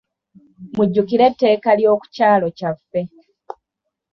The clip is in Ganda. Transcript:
Mujjukire etteeka ly'oku kyalo kyaffe.